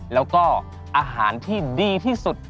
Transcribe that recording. แล้วก็อาหารที่ดีที่สุด